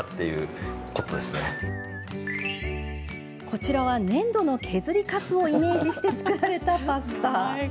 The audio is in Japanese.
こちらは、粘土の削りかすをイメージして作られたパスタ。